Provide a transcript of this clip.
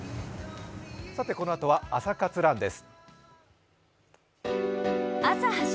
このあとは「朝活ＲＵＮ」です。